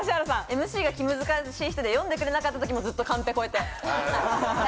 ＭＣが気難しい人で呼んでくれなかった時もずっとカンペこうやって。